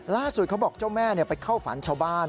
ล่าสุดเขาบอกเจ้าแม่ไปเข้าฝันชาวบ้าน